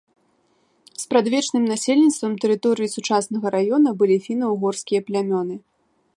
Спрадвечным насельніцтвам тэрыторыі сучаснага раёна былі фіна-ўгорскія плямёны.